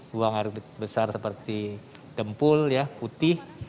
buang air besar seperti dempul putih